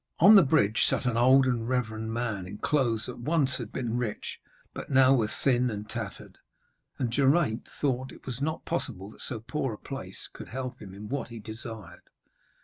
On the bridge sat an old and reverend man in clothes that once had been rich, but now were thin and tattered. And Geraint thought it was not possible that so poor a place could help him in what he desired.